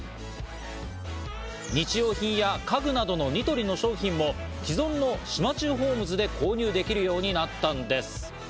日用品や家具などのニトリの商品も既存の島忠ホームズで購入できるようになったんです。